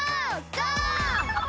ゴー！